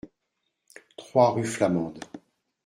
trois rue Flamande